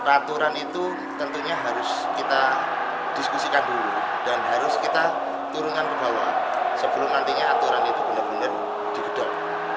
peraturan itu tentunya harus kita diskusikan dulu dan harus kita turunkan ke bawah sebelum nantinya aturan itu benar benar digedot